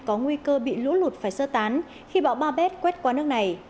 có nguy cơ bị lũ lụt phải sơ tán khi bão babeth quét qua nước này